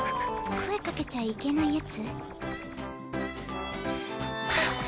声かけちゃいけないやつ？